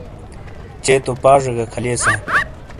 چے تو پاجے گہ کھَلئیساں۔